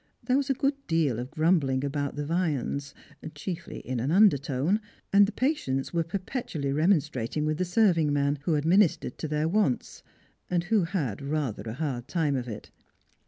There was a good deal of grumbling about the viands, chiefly in an under tone, and the patients were perpetually remonstrating with the serving man who administered to their wants, and who had rather a hard time of it.